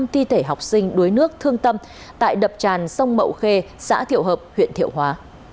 năm thi thể học sinh đuối nước thương tâm tại đập tràn sông mậu khê xã thiệu hợp huyện thiệu hóa